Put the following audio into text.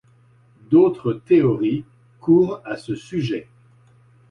D'autres théories courent à ce sujet.